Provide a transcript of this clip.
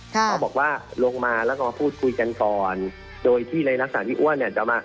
เขาบอกว่าลงมาแล้วก็มาพูดคุยกันก่อนโดยที่ในลักษณะพี่อ้วนเนี่ยจะมา